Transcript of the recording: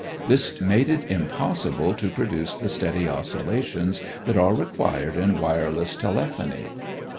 This made it impossible to produce the steady oscillations that are required in wireless telephony.